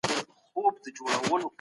د سړي سر عايد زياتوالی محاسبه سوی دی.